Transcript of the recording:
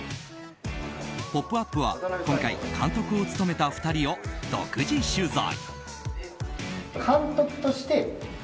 「ポップＵＰ！」は今回監督を務めた２人を独自取材。